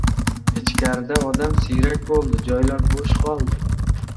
Ichkarida odam siyrak bo‘ldi. Joylar bo‘sh bo‘ldi.